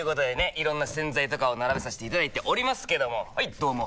いろんな洗剤とかを並べさせていただいておりますけどもはいどうも！